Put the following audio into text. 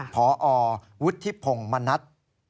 พอวุฒิพงศ์มณัฐ